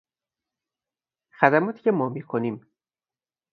خدماتی که ما میکنیم